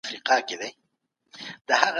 دا هغه صليبي جنګونه وو چي مذهب په کښي رول درلود.